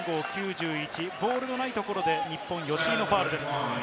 ボールのないところで、日本、吉井のファウルです。